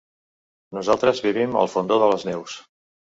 Nosaltres vivim al Fondó de les Neus.